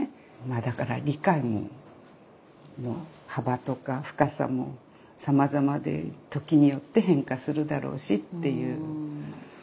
だから理解の幅とか深さもさまざまで時によって変化するだろうしっていう。